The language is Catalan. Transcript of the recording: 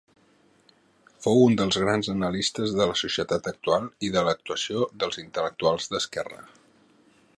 Fou un dels grans analistes de la societat actual i de l'actuació dels intel·lectuals d'esquerra.